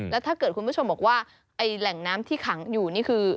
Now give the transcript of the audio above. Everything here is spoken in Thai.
แล้วถ้าเกิดคุณผู้ชมบอกว่าไอ้แหล่งน้ำที่ขังอยู่นี่คือ